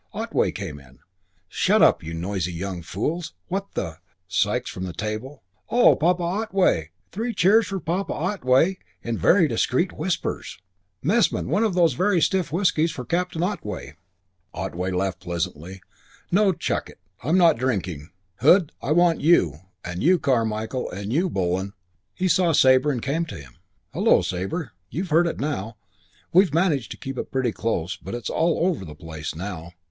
Otway came in. "Shut up, you noisy young fools. What the " Sikes from the table. "Ah, Papa Otway! Three cheers for Papa Otway in very discreet whispers. Messman, one of those very stiff whiskies for Captain Otway." Otway laughed pleasantly. "No, chuck it, I'm not drinking. Hood, I want you; and you, Carmichael, and you, Bullen." He saw Sabre and came to him. "Hullo, Sabre. You've heard now. We've managed to keep it pretty close, but it's all over the place now.